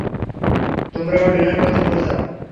তোমরাও ডিনার করতে বসে যাও।